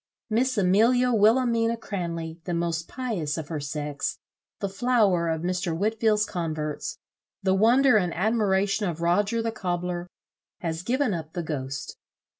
Miss Amelia Wilhelmina Cranley, the most pious of her sex, the flower of Mr. Whitfield's converts, the wonder and admiration of Roger the cobler, has given up the ghost.